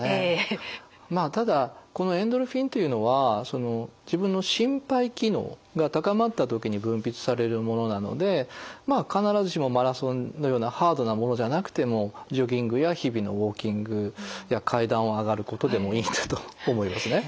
まあただこのエンドルフィンというのは自分の心肺機能が高まった時に分泌されるものなので必ずしもマラソンのようなハードなものじゃなくてもジョギングや日々のウォーキングや階段を上がることでもいいんだと思いますね。